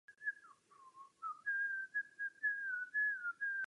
U seriálu vydržela čtyři roky a obdržela za něj několik cen.